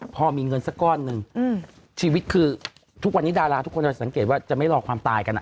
พอมีเงินสักก้อนหนึ่งชีวิตคือทุกวันนี้ดาราทุกคนจะสังเกตว่าจะไม่รอความตายกัน